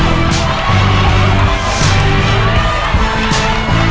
อีกลูกเท่าไหร่